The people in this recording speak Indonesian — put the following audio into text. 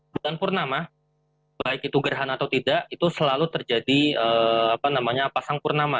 bulan purnama baik itu gerhana atau tidak itu selalu terjadi pasang purnama